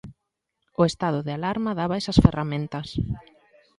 O estado de alarma daba esas ferramentas.